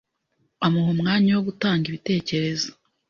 amuha umwanya wo gutanga ibitekerezo